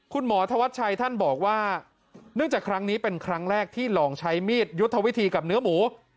คุณหมอธวัชชัยท่านบอกว่าเนื่องจากครั้งนี้เป็นครั้งแรกที่หลองใช้มีดยุทธวิธีกับเนื้อหมู